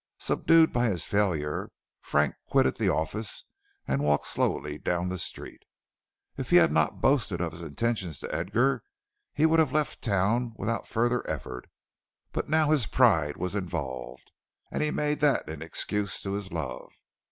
Subdued by his failure, Frank quitted the office, and walked slowly down the street. If he had not boasted of his intentions to Edgar, he would have left the town without further effort; but now his pride was involved, and he made that an excuse to his love.